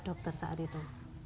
dokter saat itu